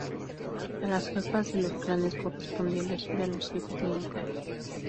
A las jefas de los clanes correspondía elegir a los jefes militares.